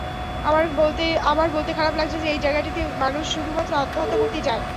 আমার বলতে খারাপ লাগছে যে, এই জায়গাটিতে মানুষ শুধুমাত্র আত্মহত্যা করতেই যায়।